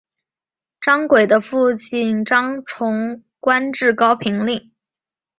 张轨的父亲张崇官至高平令。